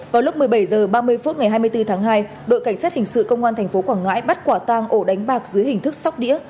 vào lúc một mươi bảy h ba mươi phút ngày hai mươi bốn tháng hai đội cảnh sát hình sự công an tp quảng ngãi bắt quả tang ổ đánh bạc dưới hình thức sóc đĩa